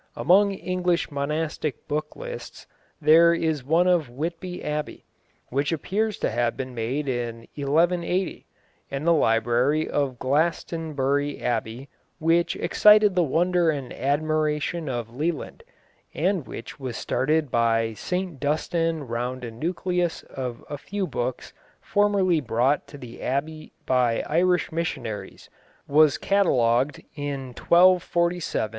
Among English monastic book lists, there is one of Whitby Abbey, which appears to have been made in 1180, and the library of Glastonbury Abbey, which excited the wonder and admiration of Leland, and which was started by St Dunstan round a nucleus of a few books formerly brought to the Abbey by Irish missionaries, was catalogued in 1247 or 1248.